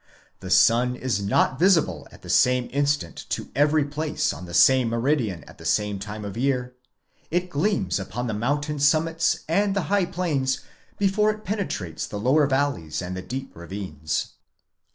The sun is not visible at the same instant to every place on the same meridian at the same time of year; it gleams upon the mountain summits and the high plains before it penetrates the lower valleys and the deep ravines.